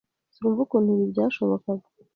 Sinumva ukuntu ibi byashobokaga.